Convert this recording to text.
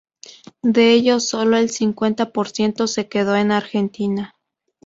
De ellos solo el cincuenta por ciento se quedó en Argentina.